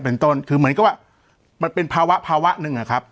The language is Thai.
เป็นต้นคือเหมือนกับว่ามันเป็นภาวะภาวะหนึ่งอะครับ